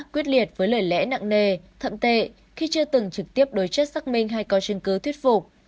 quyết liệt với lời lẽ nặng nề thậm tệ khi chưa từng trực tiếp đối chất xác minh hay có chứng cứ thuyết phục